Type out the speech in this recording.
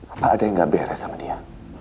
apa ada yang gak beres sama dia